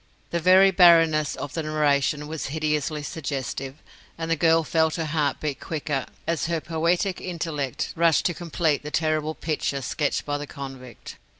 The very barrenness of the narration was hideously suggestive, and the girl felt her heart beat quicker as her poetic intellect rushed to complete the terrible picture sketched by the convict.